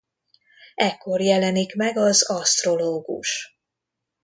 Ekkor jelenik meg az asztrológus.